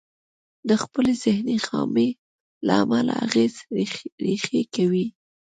د خپلې ذهني خامي له امله اغېز ريښې کوي.